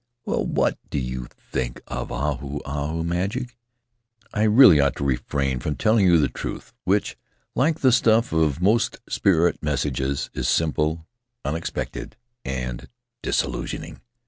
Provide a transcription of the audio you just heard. Well, what do you think of Ahu Ahu magic? I really ought to refrain from telling you the truth, which — like the stuff of most spirit messages — is simple, unexpected, and disillusioning.